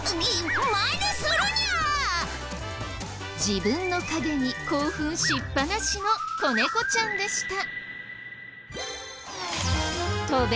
自分の影に興奮しっぱなしの子猫ちゃんでした。